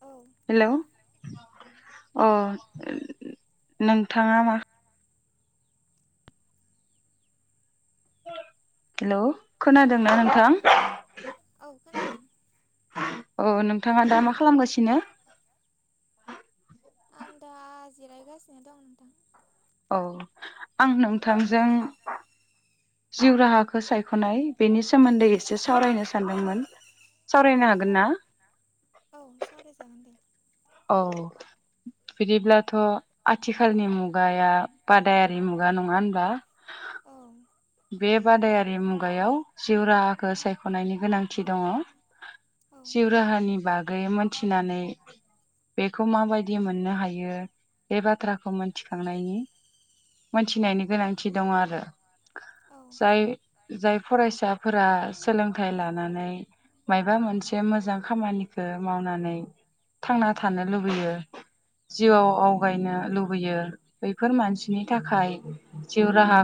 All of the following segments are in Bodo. औ हेल'। अ नोंथाङा मा। हेलौ। खोनादोंना औ नोंथां। औ खोनादों औ नोंथाङा दा मा खालामगासिनो? आं दा जिरायगासिनो दं नोंथां। औ आं नोंथांजों जिउ राहाखौ सायख'नाय बेनि सोमोन्दै एसे सावरायनो सानदोंमोन। सावरायनो औ हागोनना। औ सावरायजागोन दे औ बिदिब्ला थ' आथिखालनि मुगाया बादायारि मुगा नङा होनबा। औ बे बादायारि मुगायाव जिउ राहाखौ सायख'नायनि गोनांथि दङ। औ जिउ राहानि बागै मोनथिनानै बेखौ माबायदि मोननो हायो। बे बाथ्राखौ मोथिखांनायनि मोनथिनायनि गोनांथि दं आरो औ जाय जाय फरायसाफोरा सोलोंथाइ लानानै मायबा मोनसे मोजां खामानिखौ मावनानै थांना थानो लुबैयो। जिउआव आवगायनो लुबैयो बैफोर मानसिनि थाखाय जिउ राहा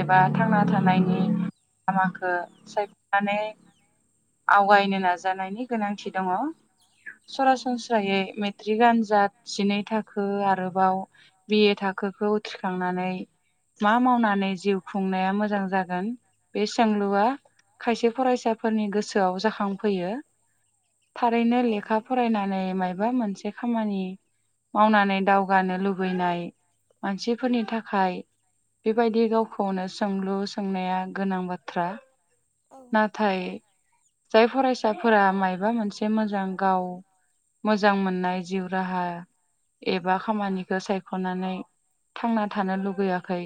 एबा थांना थानायनि लामाखौ सायख'नानै आवगायनो नाजानायनि गोनांथि दङ। औ सरासनस्रायै मेट्रिक आनजाद जिनै थाखो आरोबाव बि ए थाखो खौ उथ्रिखांनानै मा मावनानै जिउ खुंनाया मोजां जागोन बे सोंलुआ खायसे फरायसाफोरनि गोसोआव जाखांफैयो। थारैनो औ लेखा फरायनानै मायबा मोनसे खामानि मावनानै दावगानो लुबैनाय मानसिफोरनि थाखाय बेबायदि खौनो सोंलु सोंनाया गोनां बाथ्रा औ नाथाय। जाय फरायसाफोरा माबा मोनसे मोजां गाव मोजां मोननाय जिउ राहा एबा खामानिखौ सायख'नानै थांना थानो लुबैयाखै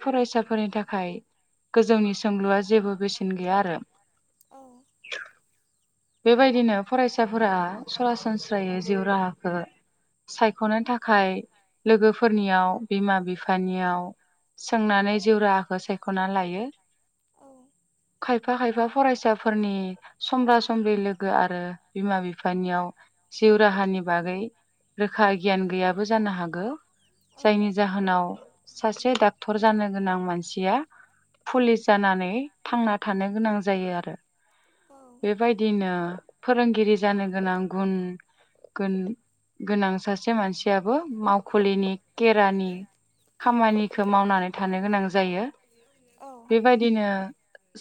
फरायसाफोरनि थाखाय गोजौनि सोंलुआ जेबो बेसेन गैया आरो। [inaudible] बेबायदिनो फरायसाफोरा सरासनस्रायै जिउ राहाखौ सायख'नो थाखाय लोगोफोरनियाव बिमा बिफानियाव सोंनानै जिउ राहाखौ सायख'ना लायो। औ खायफा खायफा फरायसाफोरनि समब्रा समब्रि आरो बिमा बिफानियाव जिउ राहानि बागै रोखा गियान गैयाबो जानो हागौ। जायनि जाहोनाव सासे डक्टर जानो गोनां मानसिया पुलिस जानानै थांना थानो गोनां जायो आरो। बेबायदिनो फोरोंगिरि जानो गोनां गुन गोनां सासे मानसियाबो मावखुलिनि केेरानि खामानिखौ मावनानै थानो गोनां जायो। औ बेबायदिनो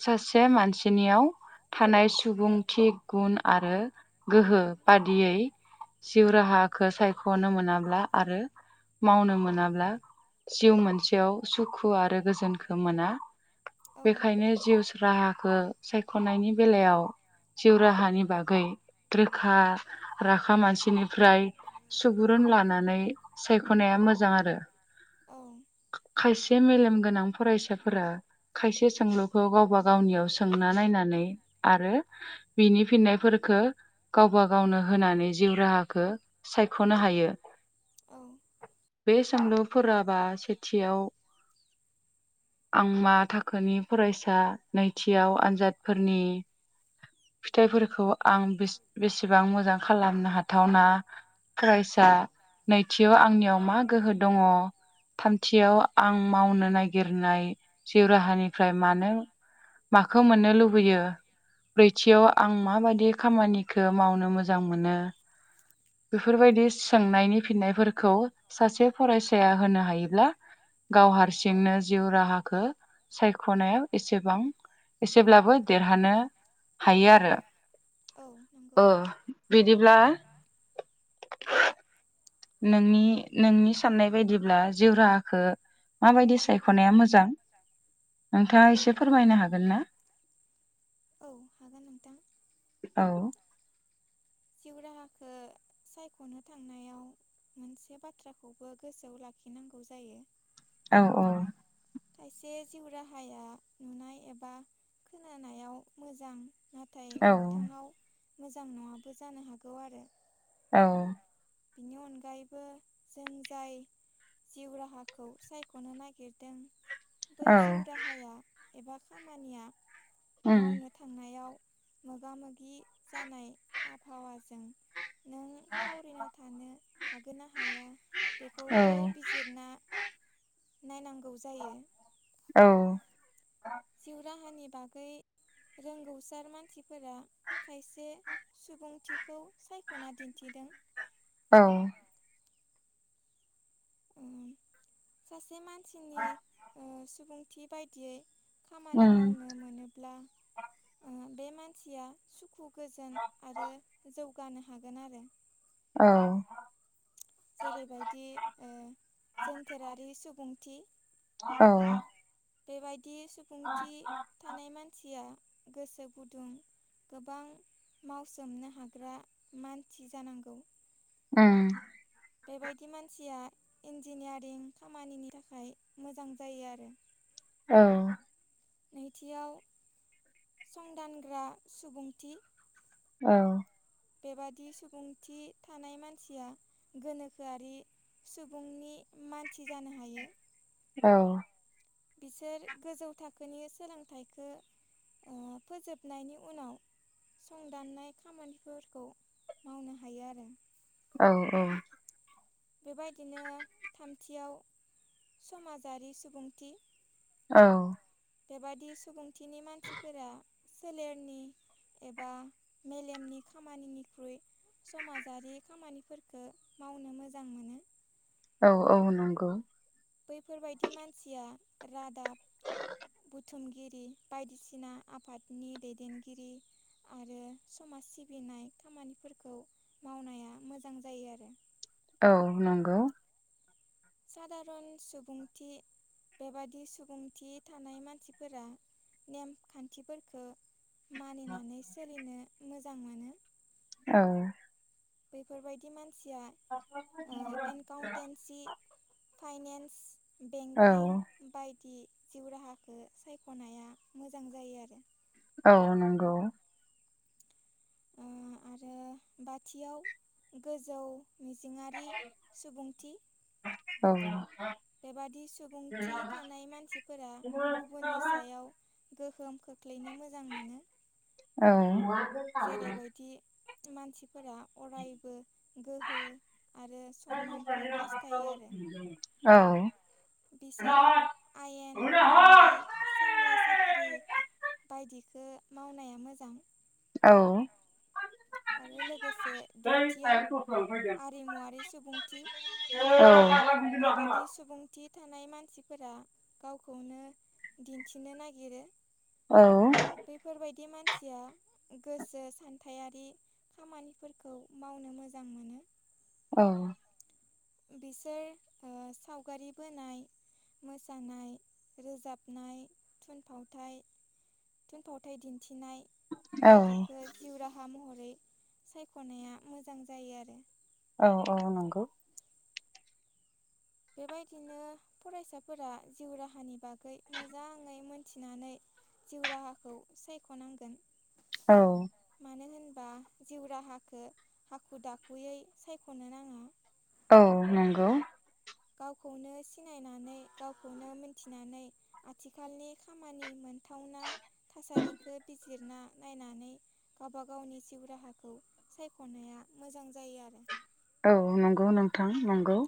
सासे मानसिनियाव थानाय सुबुंथि गुन आरो गोहो बादियै जिउ राहखौ सायख'नो मोनाब्ला आरो। मावनो मोनाब्ला जिउ मोनसेयाव सुखु आरो गोजोनखौ मोना। बेखायनो जिउ राहाखौ सायख'नायनि बेलायाव जिउ राहानि बागै रोखा राखा मानसिनि फ्राय सुबुरुन लानानै सायख'नाया मोजां आरो खायसे मेलेम गोनां फरायसाफोरा खायसे सोंलु खौ गावबा गावनियाव सोंना नायनानै आरो बिनि फिननायफोरखो गावब गावनो होनानै जिउ राहाखौ सायख'नो हायो बे सोंलुफोरा बा सेथियाव आं मा थाखोनि फरायसा नैथियाव आनजादफोरनि फिथाइफोरखौ आं बेसि बेसेबां मोजां खालामनो हाथावना फरायसा नैथियाव आंनियाव मा गोहो दंङ थामथियाव आं मावनो नागिरनाय जिउ राहानि ओमफ्राय मानो माखो मोननो लुबैयो ब्रैथियाव आं माबादि खामानिखो मावनो मोजां मोनो बेफोरबायदि सोंनायनि फिननायफोरखौ सासे फरायसाया होनो हायोब्ला गाव हारसिंनो जिउ राहाख सायख'नायाव एसेबां एसेब्लाबो देरहानो हायो आरो। औ नंगौ ओ बिदिब्ला नोंनि नोंनि साननाय बायदिब्ला जिउ राहाखो माबायदि सायख'नाया मोजां। नोंथाङा एसे फोरमायनो हागोन ना? औ हागोन नोंथां औ जिउ राहाखो सायख'नो थांनायाव मोनसे बाथ्राखौबो गोसोआव लाख खि नांगौ जायो। औ औ खायसे जिउ राहाया नुनाय एबा खोनानायाव मोजां। नाथाय औ मोगथांआव मोजां न'आबो जानो हागौ आरो। औ बिनि अनगायैबो जों जाय जिउ राहाखौ सायख'नो नागिरदों। बै औ जिउ राहाया एबा खामानिया उम मावनो थांनायाव मोगा मोगि जानाय आबहावाजों। [unintelligible] फरायना थानो हागोन ना हाया बेखौबो औ बिजिरना नायनांगौ जायो। औ जिउ राहानि बागै रोंगौसार मानसिफोरा खायसे सुबुंथिखौ सायख'ना दिन्थिदों। औ उम सासे मानसिनि ओ सुबुंथि बायदियै खामानि उम मावनो मोनोब्ला। [unintelligible] ओ बे मानसिया सुखु गोजोन आरो जौगानो हागोन आरो। औ जेरै बायदि ओ जोनथोरारि सुबुंथि औ बे बायदि सुबुंथि थानाय मानसिया गोसो गुदुं गोबां मावसोमनो हाग्रा मानसि जानांगौ। उम बे बायदि मानसिया इन्जिनियारिं खामानिनि थाखाय मोजां जायो आरो। औ नैथियाव संदानग्रा सुबुंथि औ बे बादि सुबुंथि थानाय मानसिया गोनोखोआरि सुबुंनि मानसि जानो हायो। औ बिसोर गोजौ थाखोनि सोलोंथाइखो ओ फोजोबनायनि उनाव। संदाननाय खामानिफोरखौ मावनो हायो आरो। औ औ बे बायदिनो थामथियाव समाजारि सुबुंथि औ बे बादि सुबुंथिनि मानसिफोरा सोलेरनि एबा मेलेमनि खामानिनिख्रुय समाजारि खामानिफोरखौ मावनो मोजां मोनो औ औ नंगौ। बैफोरबायदि मानसिया रादाब बुथुमगिरि बायदिसिना आफादनि दैदेनगिरि आरो समाज सिबिनाय खामानिफोरखौ मावनाया मोजां जायो आरो। औ नंगौ। सधारन सुबुंथि बेबादि सुबुंथि थानाय मानसिफोरा नेम खान्थिफोरखौ मानिनानै सोलिनो मोजां मोनो औ बैफोरबायदि मानसिया एनकाउन्टेनसि फाइनेन्स औ बेंकिं बायदि जिउ राहाखौ सायख'नाया मोजां जायो आरो। औ नंगौ। ओ आरो बाथियाव गोजौ मिजिंरि सुबुंथि औ बेबादि औ सुबुंथि थानाय मानसिफोरा गुबुननि सायाव गोहोम खो खख्लैनो मोजां मोनो। जेरैबायदि मानसिफोरा अरायबो गोहो आरो सनमानखौ हास्थायो आरो औ बिसोर आयेन फालांगि सामलाय साख्रि बायदिख मावनाया मोजां। औ आरो लोगोसे दथियाव आरिमुवारि सुबुंथि बेबादि सुबुंथि थानाय मानसिफोरा गावखौनो दिन्थिनो नागिरो बेफोरबायदि मान मानसिया गोसो सान्थायारि खामानिफोरखौ मावनो मोजां मोनो। औ बिसोर ओ सावगारि बोनाय मोसानाय, रोजाबनाय, थुनफावथाय थुनफावथाय दिन्थिनाय औ औ बायदिखौ जिउ राहा हा महरै सायख'नाया मोजां जायो आरो। औ औ नंगौ। बेबायदिनो फरायसाफोरा जिउ राहानि बागै मोजाङै मोनथिनानै जिउ राहाखौ सायख'नांगोन। औ मानो होनबा जिउ राहखौ हाखु दाखुयै सायख'नो नाङा। औ नंगौ। गावखौनो सिनायनानै गावखौनो मिथिनानै आथिखालनि खामानि मोनथावना थासारिखौ बिजिरना नायनानै गावबा गावनि जिउ राहाखौ सायख'नाया मोजां जायो आरो। औ नंगौ नोंथां नंगौ।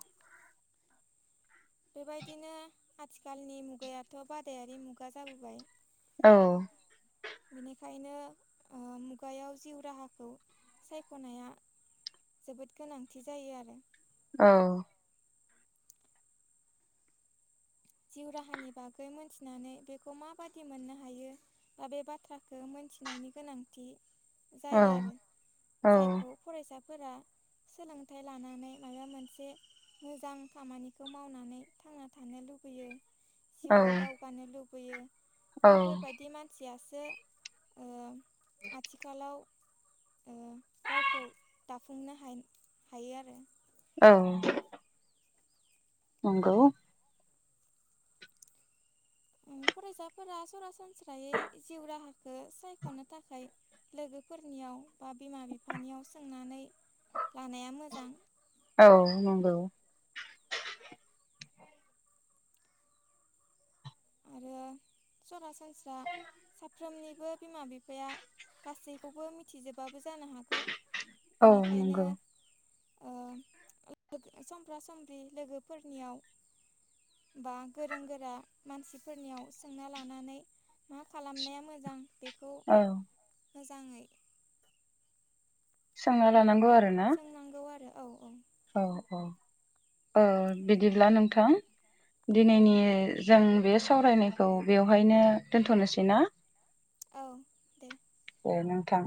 बेबायदिनो आथिखालनि मुगायाथ' बादायारि मुगा जाबोबाय। औ बेनिखायनो मुगायाव जिउ राहाखौ सायख'नाया जोबोद गोनांथि जायो आरो। औ जिउ राहानि बागै मोनथिनानै बेखौ माबादि मोननो हायो बा बे बाथ्राखौ मिथिनायनि गोनांथि औ जायो आरो औ जायखौ फरायसाफोरा सोलोंथाइ लानानै माबा मोनसे मोजां खामानिखौ मावनानै थांना थानो लुबै बैयो औ जिउआव दावगानो लुबैयो औ बैफोरबायदि मानसियासो ओ आथिखालाव ओ गावखौ दाफुंनो हायो हायो आरो। औ। नंगौ। उम [inaudible] फरायसाफोरा सरासनस्रायै जिउ राहाखौ सायख'नो थाखाय लोगोफोरनियाव बा बिमा बिफानियाव सोंनानै लानाया मोजां औ नंगौ। आरो सरासनस्रा सा फ्रोमनिबो बिमा बिफाया गासैखौबो मिथिजोबाबो जानो हागौ। औ बेनिखायनो नंगौ [inaudible] सम्ब्रा सम्ब्रि लोगोफोरनियाव बा गोरों गोरा। मानसिफोरनियाव सोंना लानानै मा खालामनाया मोजां बेखौ औ मोजाङै सोंना लानांगौ आरो। सोंनांगौ आरो। औ औ औ-औ ओ बिदिब्ला नोंथां औ दिनैनि जों बे सावरायनायखौ बेवहायनो दोन्थ'नोसै ना। औ दे। दे नोंथां।